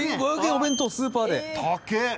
お弁当スーパーで・